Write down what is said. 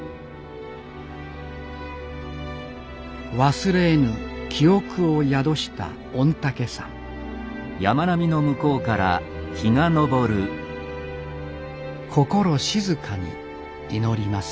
忘れえぬ記憶を宿した御嶽山心静かに祈ります